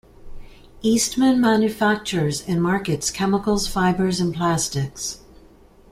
Eastman manufactures and markets chemicals, fibers and plastics.